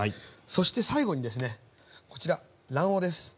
そして最後にですねこちら卵黄です。